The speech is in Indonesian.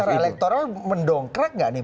tapi secara elektoral mendongkrak nggak nih